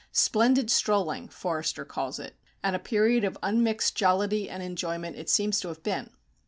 "Splendid strolling" Forster calls it; and a period of unmixed jollity and enjoyment it seems to have been.